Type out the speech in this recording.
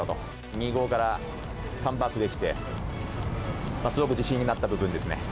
２ー５からカムバックできて、すごく自信になった部分ですね。